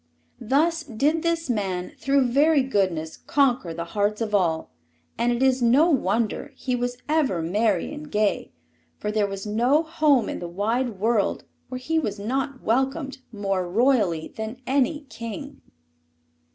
Thus did this man, through very goodness, conquer the hearts of all; and it is no wonder he was ever merry and gay, for there was no home in the wide world where he was not welcomed more royally than any king.